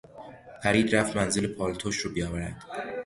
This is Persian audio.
پرید رفت منزل پالتوش را بیاورد.